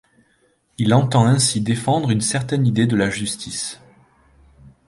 Il entend ainsi défendre une certaine idée de la justice.